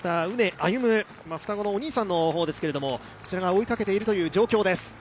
畝歩夢、双子のお兄さんの方ですがこちらが追いかけている状況です。